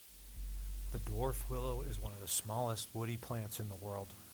The dwarf willow is one of the smallest woody plants in the world.